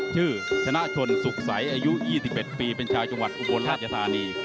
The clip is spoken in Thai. ชื่อชนะชนสุขใสอายุ๒๑ปีเป็นชาวจังหวัดอุบลราชธานี